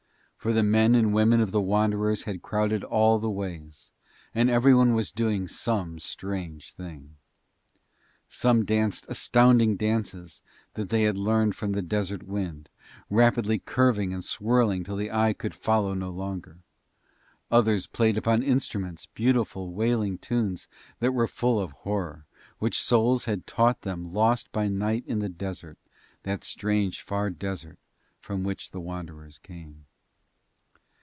For the men and women of the Wanderers had crowded all the ways, and every one was doing some strange thing. Some danced astounding dances that they had learned from the desert wind, rapidly curving and swirling till the eye could follow no longer. Others played upon instruments beautiful wailing tunes that were full of horror, which souls had taught them lost by night in the desert, that strange far desert from which the Wanderers came.